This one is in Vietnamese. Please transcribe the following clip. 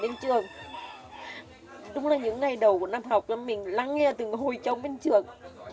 đúng là những ngày đầu của năm học mình lắng nghe từ hồi trong bên trường